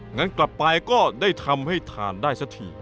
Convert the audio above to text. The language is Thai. งั้นกลับไปก็ได้ทำให้ทานได้สักที